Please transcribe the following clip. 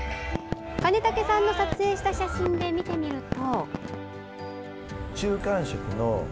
金武さんの撮影した写真で見てみると。